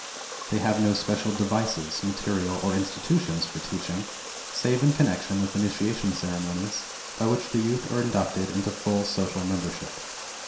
They have no special devices, material, or institutions for teaching save in connection with initiation ceremonies by which the youth are inducted into full social membership.